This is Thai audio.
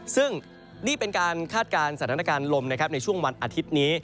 ซึ่งนี่เป็นการคาดการณ์สถานการณ์ลมในช่วงวันอาทิตย์นี้